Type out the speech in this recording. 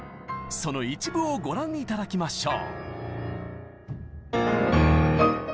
その一部をご覧頂きましょう！